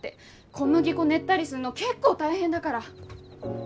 小麦粉練ったりすんの結構大変だから。